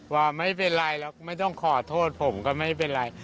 ว่าไม่เป็นไรหรอกไม่ต้องขอโทษผมก็ไม่เป็นไร